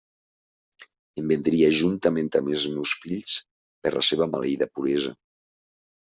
Em vendria juntament amb els meus fills per la seva maleïda puresa.